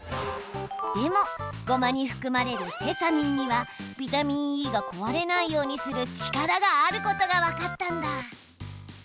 でもごまに含まれるセサミンにはビタミンＥが壊れないようにする力があることが分かったんだ。